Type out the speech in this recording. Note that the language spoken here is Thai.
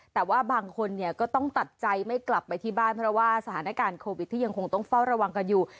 แต่ว่าบางคนเนี่ยก็ต้องตัดใจไม่กลับไปที่บ้านเพราะว่าสถานการณ์โควิดที่ยังคงต้องเฝ้าระวังกันอยู่